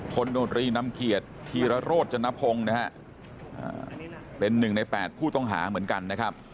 โนตรีนำเกียรติธีรโรจนพงศ์นะฮะเป็นหนึ่งใน๘ผู้ต้องหาเหมือนกันนะครับ